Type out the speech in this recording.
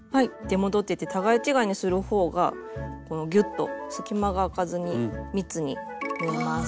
出戻ってて互い違いにするほうがギュッと隙間があかずに密に縫えます。